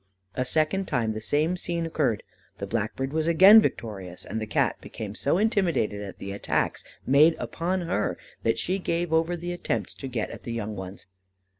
A second time the same scene occurred; the blackbird was again victorious; and the Cat became so intimidated at the attacks made upon her, that she gave over the attempts to get at the young ones.